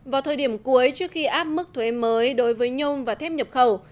vào thời điểm cuối trước khi áp mức thuế mới đối với nhôm và thép nhập khẩu